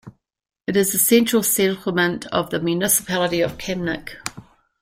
It is the central settlement of the Municipality of Kamnik.